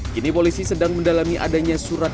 kini polisi sedang mendalami adanya surat